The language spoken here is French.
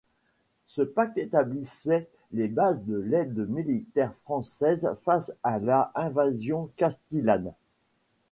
Ce pacte établissait les bases de l'aide militaire française face à la invasion castillane.